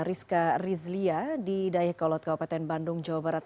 rizka rizlia di dayakolot kabupaten bandung jawa barat